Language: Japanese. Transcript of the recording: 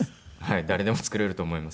誰でも作れると思いますけど。